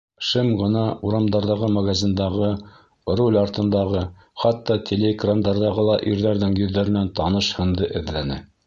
Шым ғына урамдарҙағы, магазиндағы, руль артындағы, хатта телеэкрандарҙағы ла ирҙәрҙең йөҙҙәренән таныш һынды эҙләне.